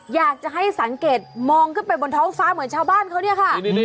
อยากจะให้สังเกตมองขึ้นไปบนท้องฟ้าเหมือนชาวบ้านเขาเนี่ยค่ะ